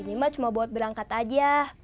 ini mah cuma buat berangkat aja